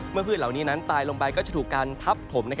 พืชเหล่านี้นั้นตายลงไปก็จะถูกการทับถม